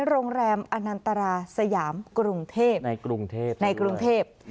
โรงแรมอนันตราสยามกรุงเทพในกรุงเทพ